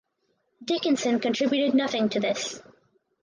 Dickinson contributed nothing to this.